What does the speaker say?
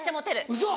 ウソ！